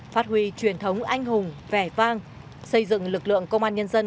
phát huy truyền thống anh hùng vẻ vang xây dựng lực lượng công an nhân dân